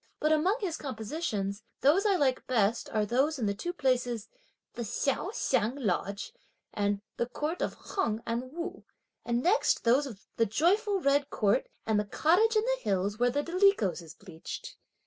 But among his compositions, those I like the best are those in the two places, 'the Hsiao Hsiang Lodge,' and 'the court of Heng and Wu;' and next those of 'the Joyful red court,' and 'the cottage in the hills, where the dolichos is bleached.'